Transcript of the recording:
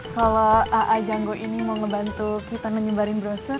kalau a a janggo ini mau ngebantu kita nyebarin brosur